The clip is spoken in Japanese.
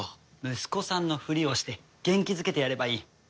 息子さんのフリをして元気づけてやればいい。